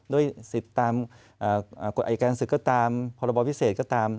ด้วยสิทธิ์ตามกฎไอการศึกษ์ก็ตามพบพิเศษก็ตาม